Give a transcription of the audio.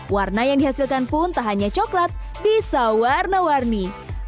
warna yang dihasilkan pun tak hanya coklat bisa warna warni